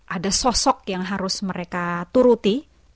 ada sosok yang harus mereka turuti